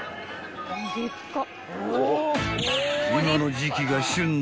［今の時季が旬の］